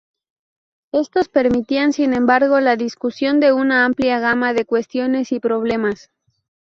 Estos permitían, sin embargo, la discusión de una amplia gama de cuestiones y problemas.